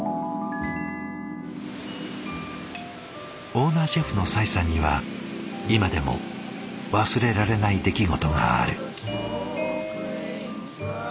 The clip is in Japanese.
オーナーシェフの斉さんには今でも忘れられない出来事がある。